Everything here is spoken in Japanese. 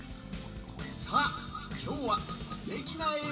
さあきょうはすてきなえい